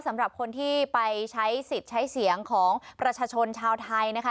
สำหรับคนที่ไปใช้สิทธิ์ใช้เสียงของประชาชนชาวไทยนะคะ